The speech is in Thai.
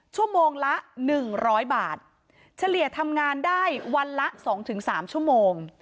ชั่วโมงละหนึ่งร้อยบาทเฉลี่ยทำงานได้วันละสองถึงสามชั่วโมง